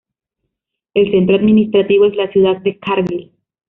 El centro administrativo es la ciudad de Kargil.